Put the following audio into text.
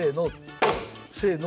せの！